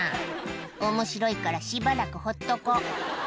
おもしろいから、しばらくほっとこう。